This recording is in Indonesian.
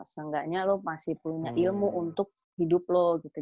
seenggaknya lu masih punya ilmu untuk hidup lu gitu